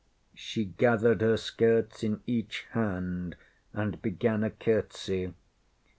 ŌĆÖ She gathered her skirts in each hand, and began a curtsy.